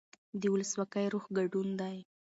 د ولسواکۍ روح ګډون دی